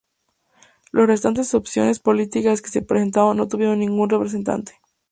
Las restantes opciones políticas que se presentaron no tuvieron ningún representante.